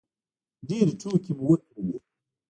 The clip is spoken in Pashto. ډېرې ټوکې مو وکړلې.